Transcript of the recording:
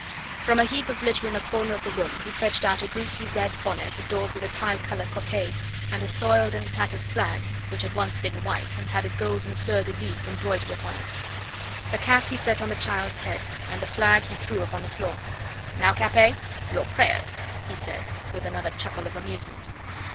From a heap of litter in a corner of the room he fetched out a greasy red bonnet adorned with a tricolour cockade, and a soiled and tattered flag, which had once been white, and had golden fleur de lys embroidered upon it. The cap he set on the child's head, and the flag he threw upon the floor. "Now, Capet your prayers!" he said with another chuckle of amusement.